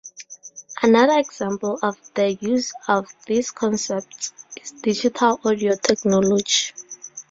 Another example of the use of these concepts is digital audio technology.